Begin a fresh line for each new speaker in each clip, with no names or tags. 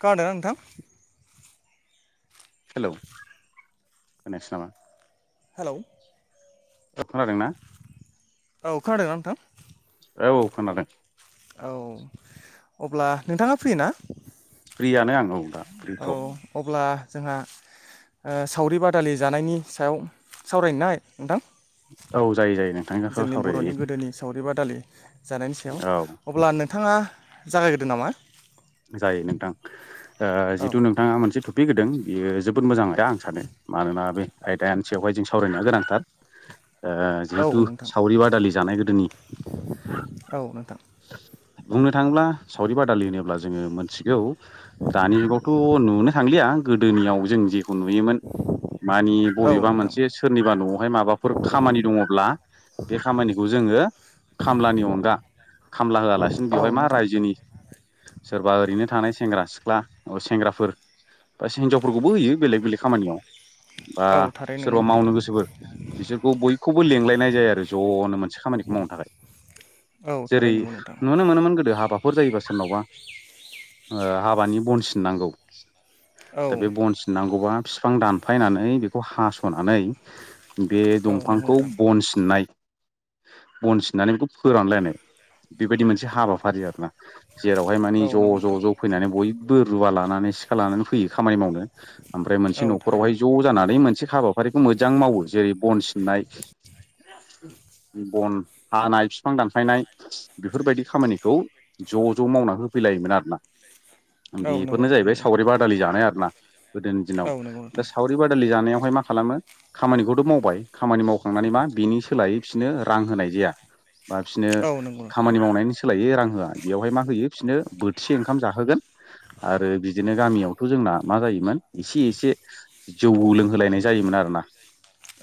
खोनादोंना नोंथां?
हेलौ खोनायासै नामा?
हेल'
खोनादों ना?
औ खोनादोंना नोंथां?
औ खोनादों।
औ अब्ला नोंथाङा फैयोना?
फ्रियानो आं औ दा
औ
फ्रिथ'
अब्ला जोंहा ओ सावरि बादालि जानायनि सायाव सावरायनोना नोंथां?
औ जायो जायो नोंथांनि
जोंनि बर'नि
सावरायजायो
गोदोनि सावरि बादालि जानायनि सायाव
औ
अब्ला नों थाङा जागायग्रोदो नामा
जायो नोंथां ओ
औ
जिहथु नोंथाङा मोनसे टपिक होदों बियो जोबोद मोजां आयदा आं सानो मानोना बे आयदानि सायावहाय जों सावरायनाया गोनांथार। ओ
औ
जिहेथु
नोंथां
सावरि बादालि जानाय गोदोनि
औ नोंथां
बुंनो थाङोब्ला सावरि बादालि होनोब्ला जोङो मोनथिगौ दानि जुगावथ' नुनो थांलिया गोदोनियाव जों जेखौ नुयोमोन। माने
औ
बबेबा
नोंथां
मोनसे सोरनिबा न'आवहाय माबाफोर खामानि दङब्ला बे खामानिखौ जोङो खामलानि अनगा खामला होआलासिनो
औ
बेवहाय मा
नोंथां
रायजोनि सोरबा ओरैनो थानाय सेंग्रा सिख्ला सेंग्राफोर बास हिनजावफोरखौबो होयो बेलेग बेलेग खामानियाव बा
औ थारै नंगौ
सोरबा
नोंथां
मावनो गोसोफोर बिसोरखौ बयखौ बो लेंलायनाय जायो आरो ज'नो मोनसे खामानिखौ मावनो थाखाय
औ थारै
जेरै
नंगौ नोंथां
नुनो मोनोमोन गोदो हाबाफोर जायोबा सोरनावबा ओ हाबानि बन सिननांगौ
औ
दा बे बन सिननांगौबा फिफां दानफायनानै बेखौ हास'नानै बे
औ नंगौ
दंफांखौ
नोंथां
बनसिननाय बन सिननानै बेखौ फोरानलायनाय बेबायदि मोनसे हाबाफारि आरोना जेरावहाय मानि
औ नंगौ
ज'
नोंथां
ज' ज' फैनानै बयबो रुवा लानानै सिखा लानानै फैयो खामानि मावनो ओमफ्राय मोनसे
औ थारैनो
न'खरावहाय ज' जानानै मोनसे हाबाफारिखौ मोजां मावो जेरै बन सिननाय [inaudible] बन हानाय फिफां दानफायनाय बेफोरबायदि खामानिखौ ज' ज' मावना हो फैलायोमोन आरोना
औ नंगौ
बेफोरनो
नोंथां
जाहैबाय
नंगौ
सावरि बादालि जानाय आरोना। गोदोनि
औ
दिनाव
नंगौ
दा
नोंथां
सावरि बादालि जानायावहाय मा खालामो खामानिखौथ' मावबाय खामानि मावखांनानै मा बिनि सोलायै बिसोरनो रां होनाय जाया बा फिसोननो
औ नंगौ नोंथां औ
खामानि मावनायनि सोलायैक्ष रां होआ बेवहाय मा होयो फिसोननो बोथिसे ओंखाम जाहोगोन आरो बिदिनो गामियावथ' जोंना मा जायोमोन इसे इसे जौ लोंहोलायनाय जायोमोन आरोना।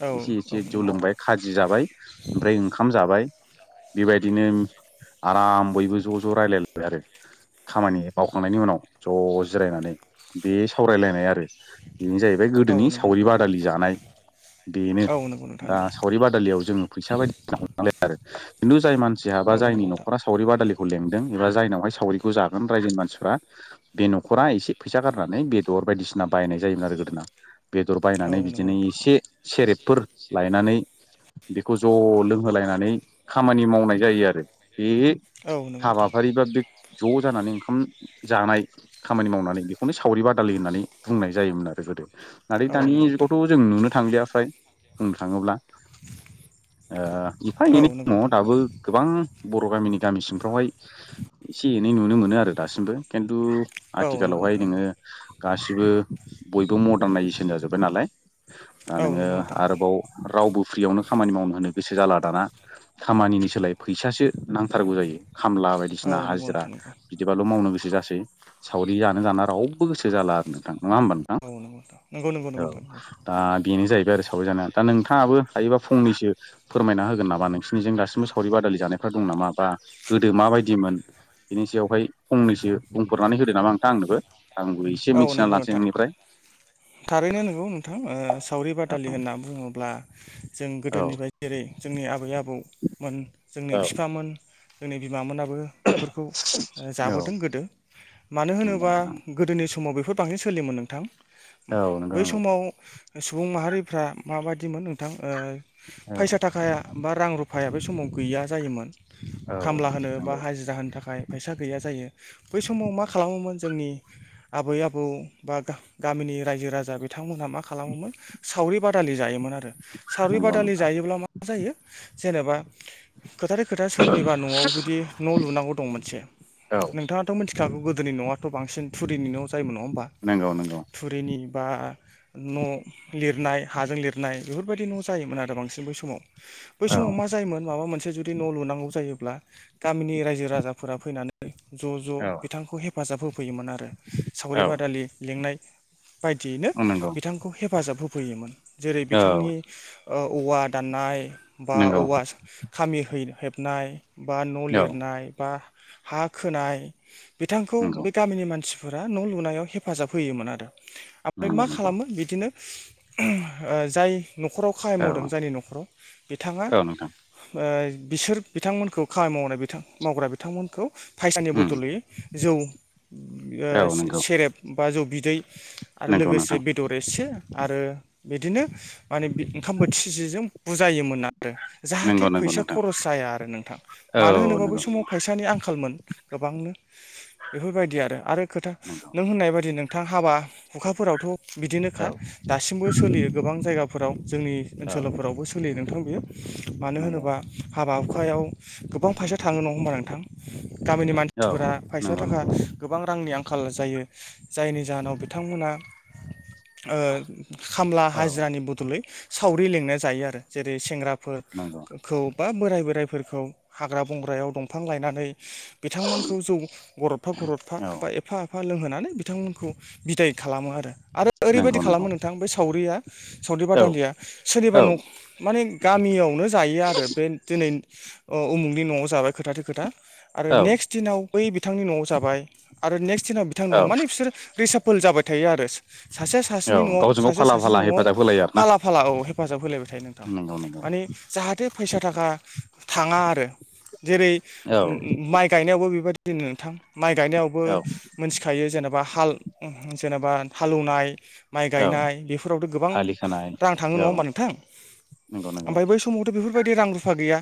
औ
इसे
औ
इसे जौ
नंगौ नोंथां
लोंबाय खाजि जाबाय ओमफ्राय ओंखाम जाबाय बेबायदिनो आराम बयबो ज' ज' रायलायलायबाय आरो खामानि मावखांनायनि उनाव ज' जिरायनानै बे सावरायलायनाय आरो बिनो जाहैबाय
औ
गोदोनि
नंगौ
सावरि
नोंथां
बादालि जानाय। बेनो
औ नंगौ नोंथां
दा
नंगौ
सावरि बादालियाव जोङो फैसा बायदिसिना [unintelligible] आरो खिन्थु जाय मानसिया बा
औ
जायनि
नंगौ नोंथां
न'खरा सावरि बादालिखौ लेंदों एबा जायनावहाय सावरिखौ जागोन रायजोनि मानसिफ्रा बे न'खरा इसे फैसा गारनानै बेदर बायदिसिना बायनाय जायोमोन आरो। गोदोना बेदर
औ
बायनानै
नंगौ
बिदिनो
नोंथां
इसे सेरेबफोर लायनानै बेखौ ज' लोंहोलायनानै खामानि मावनाय जायो आरो। बेयो
औ औ नंगौ नोंथां
हाबाफारिबा बे ज' जानानै ओंखाम जानाय खामानि मावनानै बेखौनो सावरि बादालि होननानै बुंनाय जायोमोन आरो गोदो। नाथाय
औ
दानि
नंगौ नोंथां
जुगावथ' जों नुनो थांलिया फ्राय बुंनो थाङोब्ला ओ एफा
औ
एनै
नंगौ
दङ
नोंथां
दाबो
नंगौ
गोबां बर' गामिनि गामि सिंफ्रावहाय इसे एनै नुनो मोनो आरो दासिमबो केन्थु
औ नंगौ
आथिखालावहाय
नोंथां
नोङो
नंगौ
गासिबो बयबो मदारनायजेसन जाजोब्बाय नालाय दा
औ
नोङो
नंगौ नोंथां नंगौ
आरोबाव रावबो फ्रियावनो खामानि मावनो होनो गोसो जाला दाना खामानिनि सोलाय फैसासो नांथारगौ जायो। खामला बायदिसिना
औ नंगौ
हाजिरा
नोंथां नंगौ
बिदिबाल' मावनो गो सो जासै सावरि जानो दाना रावबो गोसो जाला आरो नोंथां। नङा होमबा नोंथां?
औ नंगौ नोंथां नंगौ नंगौ नंगौ
औ
नोंथां नंगौ
दा बेनो जाहैबाय आरो सावरि जानाया दा नोंथाङाबो हायोबा फंनैसो फोरमायना होगोन नामा नोंस्निनिजों दासिमबो सावरि बादलि जानायफ्रा दङ नामा ब्रा गोदो माबायदिमोन बिनि सायावहाय फंनैसो बुंफोरनानै होदो नामा नोंथां आंनोबो आंबो एसे
औ
मिथिना
नंगौ
लानोसै
नोंथां
नोंनिफ्राय
हो ओ सावरि बादालि होनना बुङोब्ला जों
औ
गोदोनि बायदि जेरै जोंनि आबै आबौमोन जोंनि
औ
बिफामोन जोंनि बिमामोना बो बेफोरखौ ओ
औ
जाबोदों गोदो मानो होनोबा गोदोनि स समाव बेफोर बांसिन सोलियोमोन नोंथां
नंगौ
बै समाव सुबुं माहारिफ्रा माबादिमोन नोंथां ओ फैसा थाखाया बा रां रु फायाबो समाव गैया जायोमोन। खामला होनो बा हाजिरा होनो थाखाय फैसा गैया जायो बै समाव मा खालामोमोन जोंनि आबै आबौ बा गा गामिनि रायजो राजा बिथांमोनहा मा खालामोमोन सावरि बादालि जायोमोन आरो सावरि बादालि
नोंथां
जायोब्ला मा जायो जेनेबा फोथारै खोथा सोरनिबा न'आव जुदि न' लुनांगौ दं मोनसे
औ
नोंथाङाथ' मोन्थि खागौ गोदोनि न'आथ' बांसिन थुरिनि न' जायोम नङा होमबा
नंगौ नंगौ
थुरिनि बा न' लिरनाय हाजों लिरनाय बेफोर बायदि न' जायोमोन आरो बांसिन बै समाव बै
औ
समाव मा जायोमोन माबा मोनसे जुदि न' लुनांगौ जायो ब्ला गामिनि रायजो राजाफोरा फैनानै ज' ज'
औ
बिथांखौ हेफाजाब होफैयोमोन आरो। सावरि बादालि लिंनाय बायदियैनो
नंगौ नोंथां औ नंगौ
बिथांखौ हेफाजाब होफैयोमोन
औ
जेरै
नंगौ औ नंगौ औ
बिथांनि औवा दाननाय बा
नंगौ
औवा खामि हेबनाय बा न' लिरनाय बा हा खोनाय बिथांखौ बे गामिनि मानसि फोरा न' लुनायाव हेफाजाब होयोमोन आरो ओमफ्राय मा
नंगौ नंगौ
खालामो बिदिनो ओ जाय न'खराव खामानि
औ
मावदों जायनि न'खराव बिथाङा ओ
औ नोंथां
बिसोर बिथांमोनखौ खामानि मावनाय बिथां मावग्रा बिथांमोनखौ फायसानि
उम
बदलै जौ
औ
ओ
नंगौ
सेरेब बा जौ बिदै आरो
नंगौ
लोगोसे
नोंथां
बेदर एसे आरो बिदिनो माने ओंखाम बोथिसेजों बुजायोमोन। नारो जाहाथे
नंगौ नंगौ
फैसा
नोंथां
खर'स जाया आरो नोंथां
औ
मानो होनोबा बै
नंगौ
समाव फैसानि आंखालमोन। गोबांनो बेफोरबायदि आरो। आरो खोथा
नंगौ
नों होननाय बायदि नोंथां हाबा हुखाफोरावथ' बिदिनोखा
औ
दासिमबो सोलियो गोबां जायगाफोराव जोंनि
औ
ओनसोलफोरावबो सोलियो नोंथां बियो। मानो
नंगौ
होनोबा हाबा हुखायाव गोबां फैसा थाङो नङा होमबा नोंथां? गामिनि
औ
मानसिफोरा फैसा
नंगौ
थाखा
नंगौ
गोबां रांनि आंखाल जायो जायनि जाहोनाव बिथांमोना ओ खामला
औ
हाजिरानि बदलै सावरि लेंना जायो आरो जेरै सेंग्रा फोर
नंगौ
खौ बा बोराय बोराइफोरखौ हाग्रा बंग्रायाव दंफां लायनानै बिथांमोनखौ जौ गरदफा गरदफा
औ
बा एफा फा लोंहोनानै बिथांमोनखौ बिदाय खालामो आरो। आरो ओरैबायदि
नंगौ नंगौ
खालामो नोंथां बै सावरिया सावरि
औ
बादालिया सोरनिबा
औ
न' माने गामि बियावनो जायो आरो बे दिनै ओ उमुगनि न'आव जाबाय खोथाथि खोथा आरो
औ
नेक्स्ट दिनाव बै बिथांनि न'आव जाबाय। आरो नेक्स्ट दिनाव बिथां न' माने बिसोरो रिसाफोल जाबाय थायो आरो। सासे सासेनि
औ
न'आव
गावजों गाव
सासे
फाला
सासेनि
फाला
न'आव
हेफाजाब होलायो आरोना
फाला फाला औ हेफाजाब होलायबाय थायो नोंथां।
नंगौ नंगौ
माने जाहाथे फैसा थाखा थाङा आरो जेरै
औ
माइ गायनायावबो बेबायदि दिनै नोंथां माइ गायनायावबो
औ
मिथिखायो जेने बा हाल जेनेबा हालौवनाय माइ
औ
गायनाय बेफोरावथ' गोबां
आलि खोनाय
रां थाङो नङा
औ
होमबा नोंथां?
नंगौ नंगौ
ओमफाय बै समावथ' बेफोर बायदि रां रुफा गैया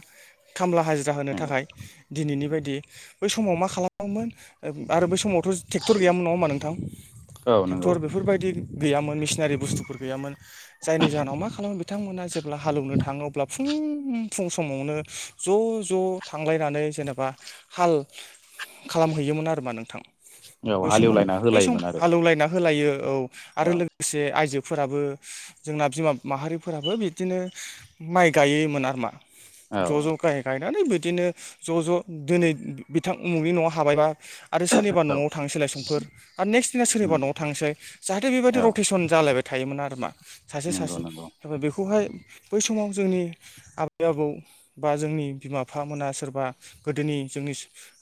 खामला हाजिरा होनो
नंगौ
थाखाय। दिनैनि बायदि बै समाव मा खालामोमोन आरो बै समाव टेक्टर गैयामोन नङा होमबा नोंथां
औ नंगौ
टेक्टर बेफोर बायदि गैयामोन मेसिनारि बुस्थुफोर गैयामोन। जायनि जाहोनाव मा खालामो बिथांमोना जेब्ला हालौवनो थाङो अब्ला फुं फुं समावनो ज' ज' थांलायनानै जेनेबा हाल खालामहैयोमोन आरो मा नों
औ
बै समाव
हालेवलायना
बै सम
होलायोमोन आरो
हालेव लायना होलायो औ आरो
औ
लोगोसे आयजो फोराबो जोंना बिमा माहारिफोराबो बिदिनो माइ गायोमोन आरो मा। ज'ज'
औ
गाइ गाइ [unintelligible] बिदिनो ज' ज' दिनै बिथां उमुगनि न'आव हाबायबा आरो सोरनिबा
औ
न'आव थांसैलाय समफोर आरो नेक्स्ट दिना
उम
सोरनिबा न'आव थांनोसै जाहाथे बेबायदि
औ
रटेसन जालायबाय थायोमोन आरो। [unintelligible] सासे
नंगौ
सासे
नंगौ
बेखौहाय बै समाव जोंनि आबै आबौ बा जोंनि बिमा बिफा मोना सोरबा गोदोनि जोंनि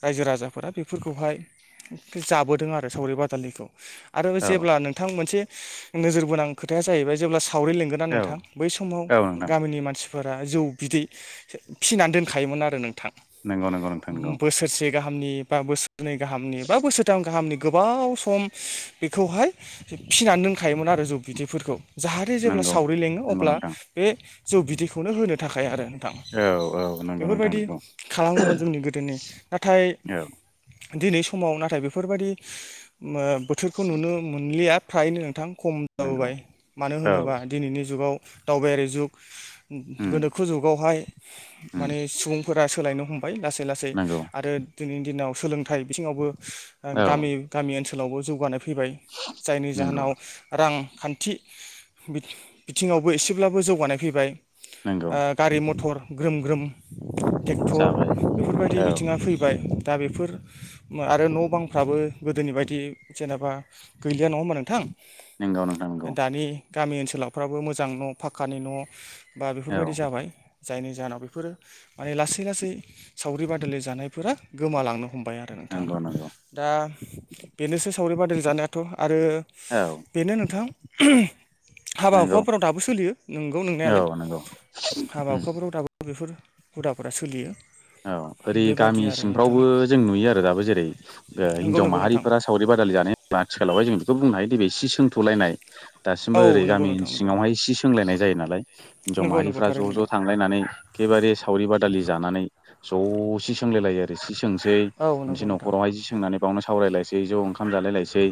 रायजो राजाफोरा बेफोरखौहाय जाबोदों आरो सावरि बादालिखौ आरो
औ
जेब्ला नोंथां मोनसे नोजोर बोनां खोथाया जाहैबाय जेब्ला सावरि लेंगोन ना
औ
नोंथां बै
औ
समाव
नोंथां
गामिनि मानसि फोरा जौ बिदै फिनानै दोनखायोमोन आरो नोंथां।
नोंगौ नोंगौ नोंथां नोंगौ।
हामनि बा बोसोरनै गाहामनि बा बोसोरथाम गाहामनि गोबाव सम बेखौहाय फिनानै दोनखायोमोन आरो जौ बिदैफोरखौ। जाहाथे जेब्ला
नंगौ
सावरि लेङो
नंगौ
अब्ला
नोंथां
बे जौ बिदैखौनो होनो थाखाय आरो। थां
औ औ नंगौ नोंथां
बेफोरबायदि
नंगौ
खालामोमोन जोंनि गोदोनि नाथाय
औ
दिनै समाव नाथाय बेफोरबायदि ओ बोथोरखौ नुनो मोनलिया फ्रायनो नोंथां। खम
नंगौ
जाबोबाय मानो
औ
होनोबा दिनैनि जुगाव दावबायारि जुग
उम
गोनोखो जुगावहाय
उम
माने सुबुंफोरा सोलायनो हम लासै लासै
नंगौ
आरो दिनैनि दिनाव सोलोंथाइ बिथिङावबो
औ
गामि गामि ओनसोल ओनसोलावबो जौगानाय फैबाय जायनि
नंगौ
जाहोनाव रां खान्थि बिथिंआवबो एसेब्लाबो जौगानाय फैबाय।
नंगौ
आ गारि मथर ग्रोम ग्रोम ट्रेक्टर
जाबाय
बेफोरबायदि
औ
बिथिङा फैबाय दा बेफोर मा आरो न बांफ्राबो गोदोनि बायदि जेनेबा गैलिया नङा होमबा नोंथां।
नोंगौ नोंथां नोंगौ।
दानि गामि ओनसोलावफ्राबो मोजां न फाखक्कानि न बा
औ
बेफोरबायदि जाबाय। जायनि जाहोनाव बेफोरो माने लासै लासै सावरि बादलिाय जानायफोरा गोमालांनो हम नोंथां
नंगौ नंगौ
दा बेनोसो सावरिबादों जानायाथ आरो
औ
बेनो नोंथां हाबा
नंगौ
हुखाफोराव दाबो सोलियो नोंगौ नोंनायालाय
औ नंगौ
हाबा
उम
हुखाफोराव दाबो बेफोर हुदाफोरा सोलियो।
औ ओरै
बेबायदि
गामि
आरो नोंथां
सिंफ्रावबो जों नुयो आरो दाबो जेरै
नंगौ
हिनजाव
नंगौ नोंथां
माहारिफोरा सावरि बादालि जानाय आथिखालावहाय जों बेखौ बुंनो हायो सिस सोंथलायनाय
औ
दासिमबो ओरै
नंगौ
गामि
नोंथां नंगौ
सिङावहाय इसे सोंलायनाय जायो नालाय हिनजाव
नंगौ नंगौ
माहारिफ्रा ज'
थारैनो नंगौ
ज' थांलायनानै एखेबारे सावरि बादालि जानानै ज' सि सोंलायलायो आरो सि सोंसै
औ
मोनसे
नंगौ नोंथां
नखरावहाय जि सोंनानै बावनो सावरायलायसै ज'नो। ओंखाम जालायलायसै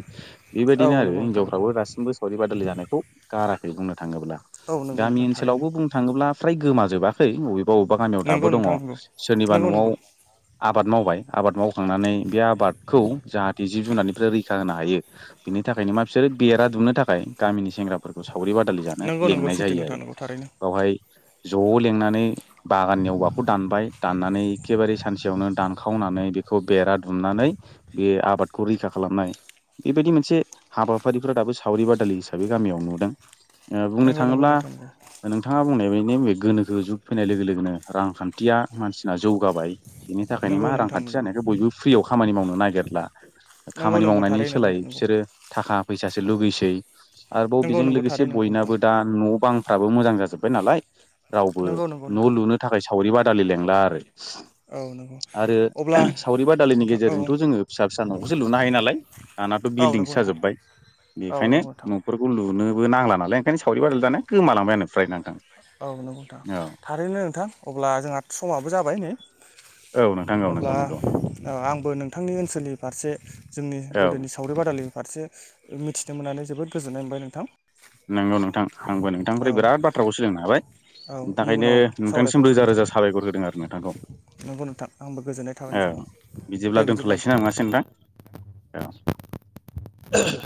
औ
बेबायदिनो आरो
नंगौ नोंथां नंगौ
हिनजावफ्राबो गासिबो सावरि बादालि जानायखौ गाराखै बुंनो बथाङोब्ला।
औ नंगौ
गामि
नोंथां थारैनो
ओनसोलावबो बुंनो थाङोब्ला फ्राय गोमाजोबा खै बबेबा बबेबा गामियाव दाबो
नंगौ
दङ
नोंथां
सोरनिबा
नंगौ नंगौ
नआव आबाद मावबाय आबाद मावखांनानै बे आबादखौ जाहाथे जिब जुनारनिफ्राय रैखा होनो हायो बिनि थाखायनो मा बिसोरो बेरा दुनो थाखाय गामिनि सेंग्राफोरखौ सा सावरि बादालि जानो
नंगौ नंगौ
लेंनाय
सैथो
जायो
नोंथां
आरो
नंगौ थारैनो
बावहाय ज' लिंनानै बागाननि औवाखौ दानबाय दाननानै एखेबारे सानसेयावनो दानखावनानै बेखौ बेरा दुमनानै बे आबादखौ रैखा खालाम खालामनाय बेबायदि मोनसे हाबाफारिफ्रा दाबो सावरि बादालि हिसाबै गामियाव नुदों। ओ बुंनो
नंगौ नंगौ
थाङोब्ला
नोंथां नंगौ
नोंथाङा बुंनाय मे गोनोखो जुग फैनाय लोगो लोगोनो रांखान्थिया मानसिना जौगाबाय। बिनि थाखायनो
नंगौ
मा
नोंथां
रांखान्थि
नंगौ
जानायखाय बयबो फ्रियाव खामानि मावनो नागिरला
नंगौ
खामानि
नंगौ
मावनायनि
थारै नंगौ
सोलायै
नंगौ
बिसोरो थाखा फैसासो लुगैसै आरोबाव
नंगौ
बेजों
नंगौ
लोगोसे
थारै नंगौ नोंथां
बयनाबो दा न' बां फाबो मोजां जाजोब्बाय नालाय रावबो
नंगौ नंगौ
न' लुनो थाखाय सावरि बादालि लेंला आरो।
उम।
आरो सावरि बादालिनि
नोंथां औ
गेजेरजोंथ जोङो फिसा फिसा नखौसो लुनो हायो नालाय दानाथ
औ नंगौ
बिलदिंसो
नोंथां
जाजोबबाय
औ
बेखानो
नंगौ नोंथां
नफोरखौ लुनो बो नांला नालाय ओंखायनो सावरि बादालि जानाया गोमालांबायानो फ्राय नोंथां‌
औ नंगौथ' नोंथां थारैनो नोंथां अब्ला जोंहा समाबो जाबाय नै
औ नोंथां औ
अब्ला
नंगौ नंगौ
अ आंबो नोंथांनि ओनसोलनि फारसे जोंनि
औ
गोदोनि सावरि बादालि फारसे मिथिनो मोननानै जोबोद गोजोननाय मोनबाय नोंथां।
नंगौ नोंथां आंबो
औ
नोंथांनिफ्राय बिराद बाथ्राखौसो लोंनो हाबाय
औ
बेनिथाखायनो
इयुनाव
नोंथांनिसिम
सावरायफिनसै
रोजा
नोंथां
रोजा साबायखर होदों आरो नोंथांखौ।
नंगौ नोंथां आंबो गोजोननाय थाबाय
ओ
नोंथां
बिदिब्ला दोनथलायसै ना नङासै नोंथां? औ।